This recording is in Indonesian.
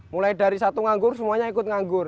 mulai dari satu nganggur semuanya ikut nganggur